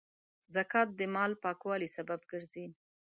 زکات د مال پاکوالي سبب ګرځي.